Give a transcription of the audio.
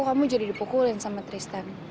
kamu jadi dipukulin sama tristan